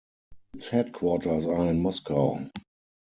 Its headquarters are in Moscow.